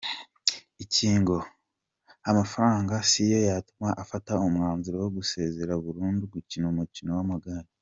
Ikingo amafaranga si yo yatuma afata umwanzuro wo gusezera burundu gukina umukino w’amagare.